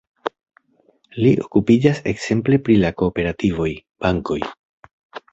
Li okupiĝas ekzemple pri la kooperativoj, bankoj.